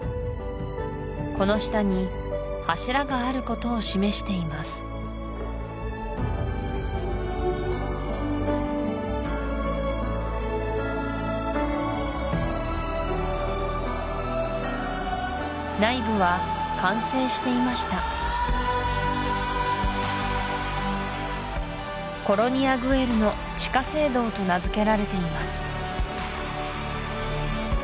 この下に柱があることを示しています内部は完成していましたコロニア・グエルの地下聖堂と名付けられています